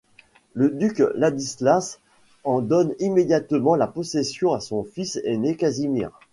Le duc Ladislas en donne immédiatement la possession à son fils ainé Casimir.